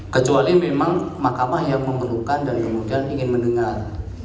kecuali memang mahkamah yang memerlukan dan kemudian ingin mendengar